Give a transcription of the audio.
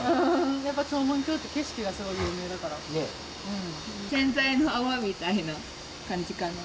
やっぱ長門峡って、景色がすごい洗剤の泡みたいな感じかな。